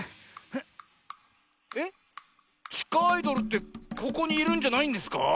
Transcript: えっちかアイドルってここにいるんじゃないんですか？